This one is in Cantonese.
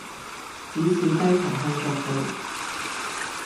只是低頭向着地，